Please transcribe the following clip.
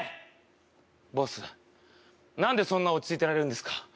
何でそんな落ち着いてられるんですか？